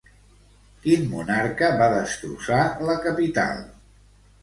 Quin monarca va destrossar la capital?